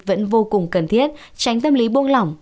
vẫn vô cùng cần thiết tránh tâm lý buông lỏng